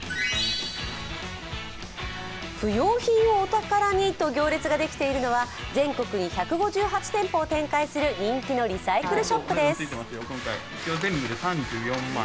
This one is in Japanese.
不用品をお宝にと行列ができているのは全国に１５８店舗を展開する人気のリサイクルショップです。